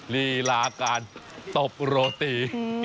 ลีลาการตบโรตี